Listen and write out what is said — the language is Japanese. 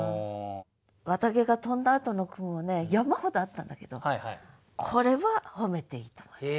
絮毛が飛んだあとの句もね山ほどあったんだけどこれは褒めていいと思います。